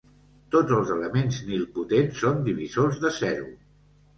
Tots els elements nilpotents són divisors de zero.